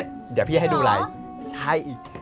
สร้างหลายอีกพี่ให้ดูไลน์ใช่ออก